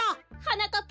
はなかっ